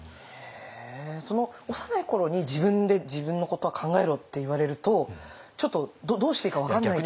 へえ幼い頃に「自分で自分のことは考えろ」って言われるとちょっとどうしていいか分かんないって。